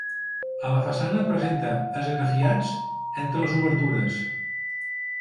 A la façana presenta esgrafiats entre les obertures.